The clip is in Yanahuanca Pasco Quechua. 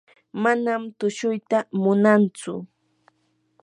manam tushuyta munantsu.